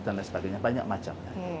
dan lain sebagainya banyak macam